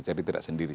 jadi tidak sendiri